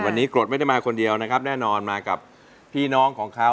วันนี้กรดไม่ได้มาคนเดียวนะครับแน่นอนมากับพี่น้องของเขา